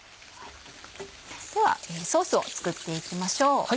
ではソースを作っていきましょう。